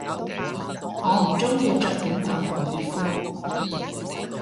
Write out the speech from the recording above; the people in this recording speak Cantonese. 我唔鍾意着短裙同熱褲